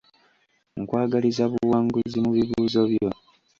Nkwagaliza buwanguzi mu bibuuzo byo.